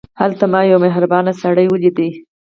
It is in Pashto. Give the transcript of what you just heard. هلته ما یو مهربان سړی ولید.